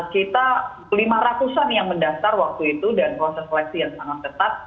kita lima ratusan yang mendastar waktu itu dan proses seleksi yang sangat ketat